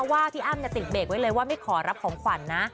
ว่าพี่อ้ำติดเบรกไว้เลยว่าไม่ขอรับของขวัญนะ